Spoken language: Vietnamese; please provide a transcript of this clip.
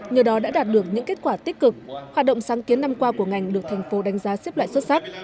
nhờ đó đã đạt được những kết quả tích cực hoạt động sáng kiến năm qua của ngành được thành phố đánh giá xếp loại xuất sắc